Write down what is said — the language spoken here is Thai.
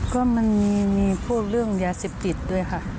ก็มันมีพูดเรื่องยาเสพติดด้วยค่ะ